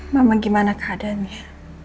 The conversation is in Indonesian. mama gimana keadaannya